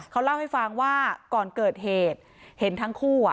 เขาเล่าให้ฟังว่าก่อนเกิดเหตุเห็นทั้งคู่อ่ะ